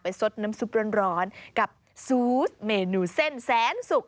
ซดน้ำซุปร้อนกับซูสเมนูเส้นแสนสุก